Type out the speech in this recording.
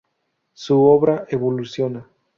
Su obra evoluciona.